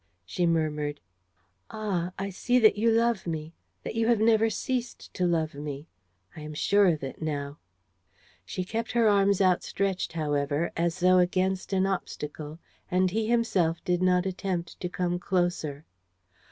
She murmured: "Ah, I see that you love me ... that you have never ceased to love me! ... I am sure of it now ..." She kept her arms outstretched, however, as though against an obstacle, and he himself did not attempt to come closer.